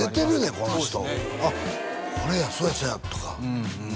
この人あっこれやそうやそうやとかうんうん